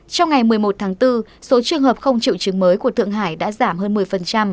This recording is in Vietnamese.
trong ngày một mươi một tháng bốn số trường hợp không triệu chứng mới của thượng hải đã giảm hơn một mươi